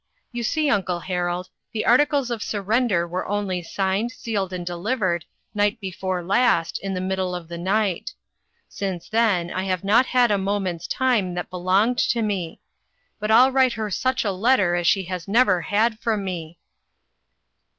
You see, Uncle Harold, the articles of sur render were only signed, sealed and deliv ered, night before last in the middle of the 382 INTERRUPTED. night. Since then I have not had a mo ment's time that belonged to me ; but I'll write her such a letter as she has never had from me.